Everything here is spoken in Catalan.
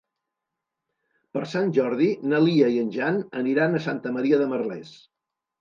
Per Sant Jordi na Lia i en Jan aniran a Santa Maria de Merlès.